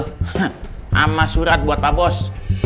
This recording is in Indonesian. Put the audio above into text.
sama surat buat pak bos